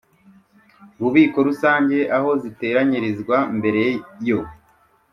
bubiko rusange aho ziteranyirizwa mbere yo